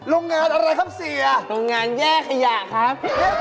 โรงงานอะไรครับเสียโรงงานแยกขยะครับ